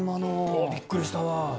びっくりしたわ。